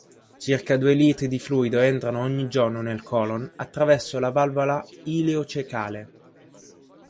Circa due litri di fluido entrano ogni giorno nel colon attraverso la valvola ileo-ciecale.